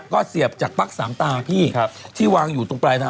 ก็เสียบจากปั๊กสามตาพี่ที่วางอยู่ตรงปลายน้ำ